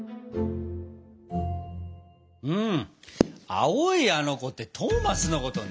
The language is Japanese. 青いあの子ってトーマスのことね。